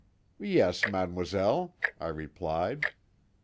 "'Yes, mademoiselle,' I replied.